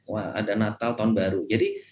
wah ada natal tahun baru jadi